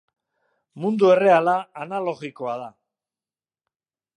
Mundu erreala analogikoa da.